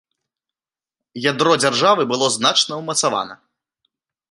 Ядро дзяржавы было значна ўмацавана.